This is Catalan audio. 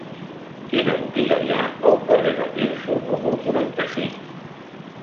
Quina botiga hi ha al carrer de Tirso número quaranta-cinc?